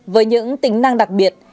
với những tính năng đặc biệt